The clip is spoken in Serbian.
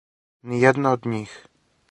Ни једна од њих.